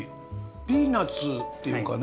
ピーナツっていうかね